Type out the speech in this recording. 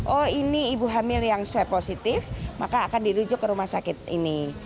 oh ini ibu hamil yang swab positif maka akan dirujuk ke rumah sakit ini